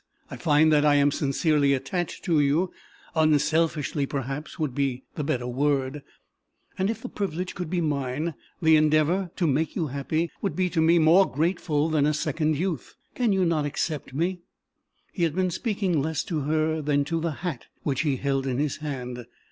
I find that I am sincerely attached to you unselfishly, perhaps, would be the better word and, if the privilege could be mine, the endeavor to make you happy would be to me more grateful than a second youth. Can you not accept me?" He had been speaking less to her than to the hat which he held in his hand.